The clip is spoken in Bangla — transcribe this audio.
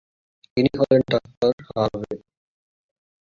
ইনি হলেন ডাক্তার হার্ভে।